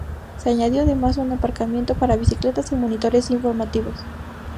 Se añadió además un aparcamiento para bicicletas y monitores informativos.